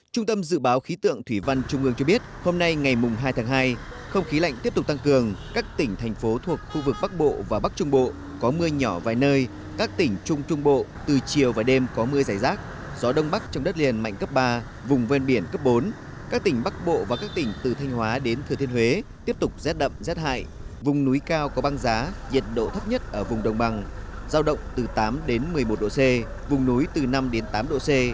trung tâm dự báo khí tượng thủy văn trung ương cho biết hôm nay ngày hai tháng hai không khí lạnh tiếp tục tăng cường các tỉnh thành phố thuộc khu vực bắc bộ và bắc trung bộ có mưa nhỏ vài nơi các tỉnh trung trung bộ từ chiều và đêm có mưa giải rác gió đông bắc trong đất liền mạnh cấp ba vùng vên biển cấp bốn các tỉnh bắc bộ và các tỉnh từ thanh hóa đến thừa thiên huế tiếp tục rét đậm rét hại vùng núi cao có băng giá nhiệt độ thấp nhất ở vùng đông bằng giao động từ tám đến một mươi một độ c vùng núi từ năm đến tám độ c vùng núi từ năm đến tám độ c